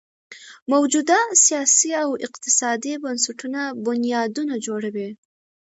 موجوده سیاسي او اقتصادي بنسټونه بنیادونه جوړوي.